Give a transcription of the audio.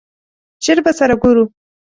ژر به سره ګورو !